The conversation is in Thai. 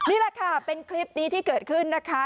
นี่แหละค่ะเป็นคลิปนี้ที่เกิดขึ้นนะคะ